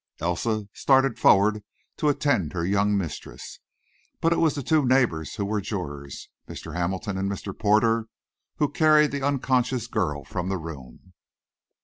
Elsa started forward to attend her young mistress, but it was the two neighbors who were jurors, Mr. Hamilton and Mr. Porter, who carried the unconscious girl from the room.